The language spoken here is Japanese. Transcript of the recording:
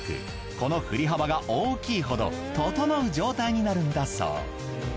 この振り幅が大きいほどととのう状態になるんだそう。